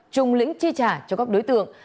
trung lĩnh chi trả cho các đối tượng